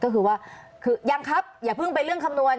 ก็คือว่าคือยังครับอย่าเพิ่งไปเรื่องคำนวณ